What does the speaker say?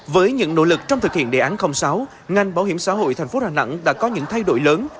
với những nỗ lực trong thực hiện đề án sáu ngành bảo hiểm xã hội thành phố đà nẵng đã có những thay đổi lớn